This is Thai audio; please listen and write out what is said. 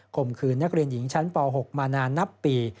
มขืนนักเรียนหญิงชั้นป๖มานานนับปี